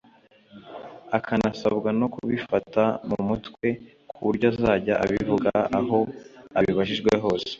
akanasabwa no kubifata mu mutwe ku buryo azajya abivuga aho abibajijwe hose